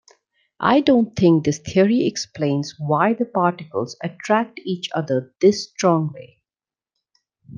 I don't think this theory explains why the particles attract each other this strongly.